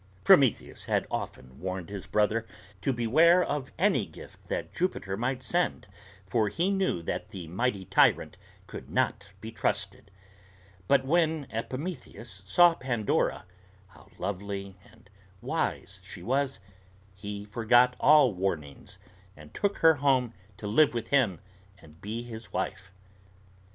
'"] Prometheus had often warned his brother to beware of any gift that Jupiter might send, for he knew that the mighty tyrant could not be trusted; but when Epimetheus saw Pandora, how lovely and wise she was, he forgot all warnings, and took her home to live with him and be his wife.